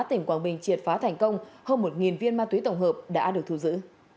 tỉnh quảng bình triệt phá thành công hơn một viên ma túy tổng hợp đã được thu giữ